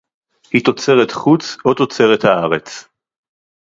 היא תוצרת חוץ או תוצרת הארץ